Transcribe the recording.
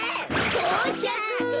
とうちゃく！